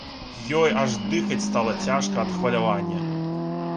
Ёй аж дыхаць стала цяжка ад хвалявання.